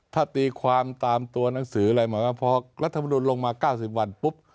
ถ้าตีความตามตัวหนังสืออะไรเหมือนกับพอรัฐมนุนลงมา๙๐วันปุ๊บ